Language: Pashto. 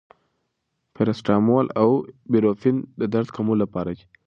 پاراسټامول او ایبوپروفین د درد کمولو لپاره دي.